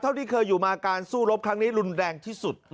เท่าที่เคยอยู่มาการสู้รบครั้งนี้รุนแรงที่สุด